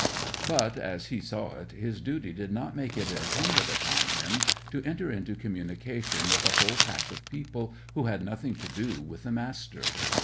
But, as he saw it, his duty did not make it incumbent upon him to enter into communication with a whole pack of people who had nothing to do with the Master.